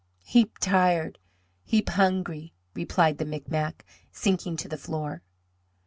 "Heap tired! Heap hungry!" replied the Micmac, sinking to the floor.